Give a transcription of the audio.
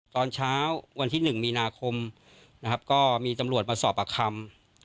ตอนเช้าวันที่๑มีนาคมนะครับก็มีตำรวจมาสอบปากคำ